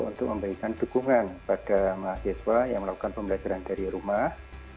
dan juga memperolehkan dukungan pada mahasiswa yang melakukan pembelajaran dari rumah